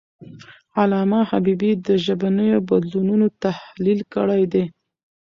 علامه حبیبي د ژبنیو بدلونونو تحلیل کړی دی.